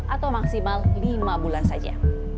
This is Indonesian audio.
atau maksimal lima bulan saja